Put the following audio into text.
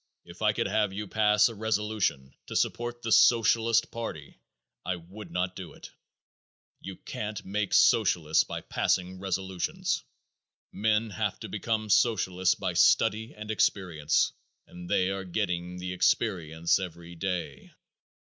If I could have you pass a resolution to support the Socialist party I would not do it. You can't make Socialists by passing resolutions. Men have to become Socialists by study and experience, and they are getting the experience every day.